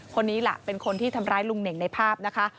คนนี้ล่ะเป็นคนที่ทำร้ายลุงเน่งในภาพนะคะ